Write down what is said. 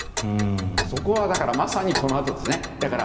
そこはまさにこのあとですね。